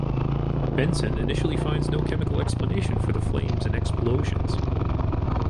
Benson initially finds no chemical explanation for the flames and explosions.